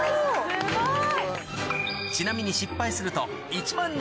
・すごい！